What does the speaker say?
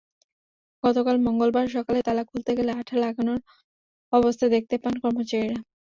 গতকাল মঙ্গলবার সকালে তালা খুলতে গেলে আঠা লাগানো অবস্থা দেখতে পান কর্মচারীরা।